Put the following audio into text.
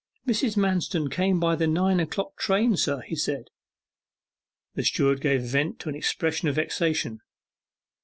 'Mrs. Manston came by the nine o'clock train, sir,' he said. The steward gave vent to an expression of vexation.